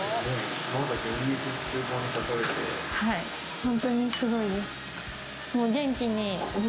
本当にすごいです。